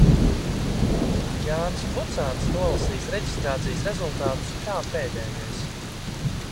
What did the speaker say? Jānis Vucāns nolasīs reģistrācijas rezultātus kā pēdējais.